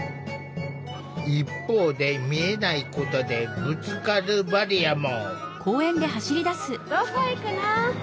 一方で見えないことでぶつかるバリアも。